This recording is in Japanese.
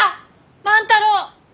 万太郎！